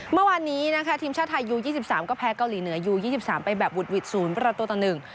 เมื่อวานนี้ทีมชาติไทยยู๒๓ก็แพ้เกาหลีเหนือยู๒๓ไปแบบวุดหวิดศูนย์ประตูตอนหนึ่ง